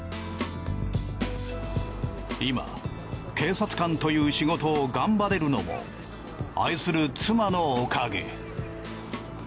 今警察官という仕事を頑張れるのも愛する妻のおかげ。